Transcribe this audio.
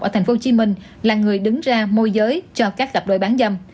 ở tp hcm là người đứng ra môi giới cho các cặp đôi bán dâm